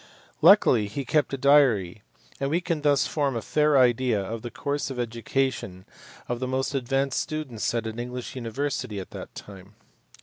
Luckily he kept a diary, and we can thus form a fair idea of the course of education of the most advanced students at an English university at that time.